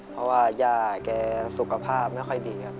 เพราะว่าย่าแกสุขภาพไม่ค่อยดีครับ